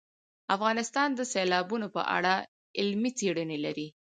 افغانستان د سیلابونه په اړه علمي څېړنې لري.